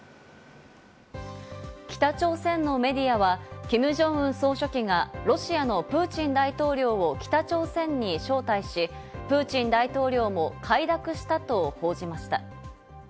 北朝鮮のメディアは、キム・ジョンウン総書記がロシアのプーチン大統領を北朝鮮に招待し、プーチン大統領も快諾したと報じました。